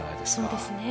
そうですね。